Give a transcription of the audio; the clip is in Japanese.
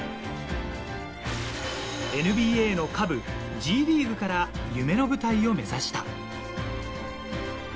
ＮＢＡの下部、Ｇリーグから夢の舞台を目指した。